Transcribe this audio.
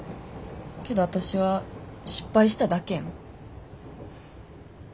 けど私は失敗しただけやん。